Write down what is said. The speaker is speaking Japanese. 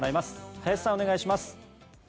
林さんお願いします。